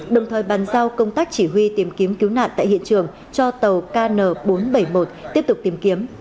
đồng thời bàn giao công tác chỉ huy tìm kiếm cứu nạn tại hiện trường cho tàu kn bốn trăm bảy mươi một tiếp tục tìm kiếm